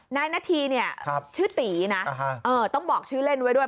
นายนาธีเนี่ยชื่อตีนะต้องบอกชื่อเล่นไว้ด้วย